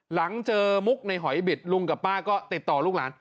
หลังเจอมุกในหอยบิดลุงกับป้าก็ติดต่อลูกหลาน